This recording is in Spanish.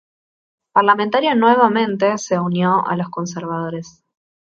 Parlamentario nuevamente, se unió a los conservadores.